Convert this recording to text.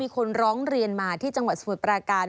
คนร้องเรียนมาที่จังหวัดสมุทรปราการ